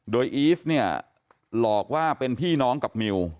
โดยอีฟเนี่ยหลอกว่าเป็นพี่น้องกับมิว